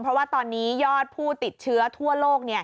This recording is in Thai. เพราะว่าตอนนี้ยอดผู้ติดเชื้อทั่วโลก